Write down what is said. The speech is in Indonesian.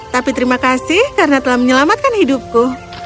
tapi terima kasih karena telah menyelamatkan hidupku